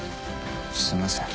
すいません。